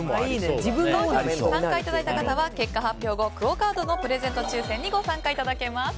投票に参加いただいた方は結果発表後、クオカードのプレゼント抽選にご参加いただけます。